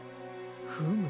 フム。